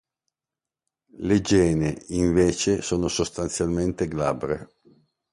Le gene, invece, sono sostanzialmente glabre.